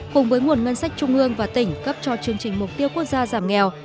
cùng với nguồn ngân sách trung ương và tỉnh cấp cho chương trình mục tiêu quốc gia giảm nghèo